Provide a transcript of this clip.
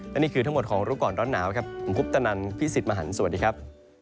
และนี่คือทั้งหมดของรู้ก่อนร้อนหนาวครับผมคุปตนันพี่สิทธิ์มหันฯสวัสดีครับ